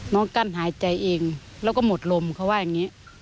กั้นหายใจเองแล้วก็หมดลมเขาว่าอย่างนี้